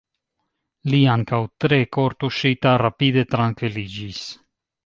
Li, ankaŭ tre kortuŝita, rapide trankviliĝis.